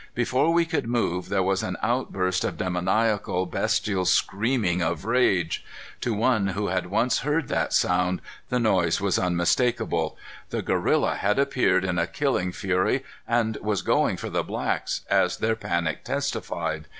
Before we could move, there was an outburst of demoniacal, bestial screamings of rage. To one who had once heard that sound, the noise was unmistakable. The gorilla had appeared in a killing fury and was going for the blacks, as their panic testified.